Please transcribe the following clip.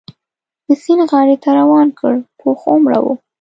د سیند غاړې ته روان کړ، پوخ عمره و.